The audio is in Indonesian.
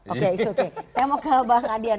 oke it's okay saya mau ke bang adian